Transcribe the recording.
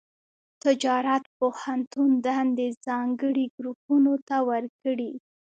تجارت پوهنتون دندې ځانګړي ګروپونو ته ورکړي.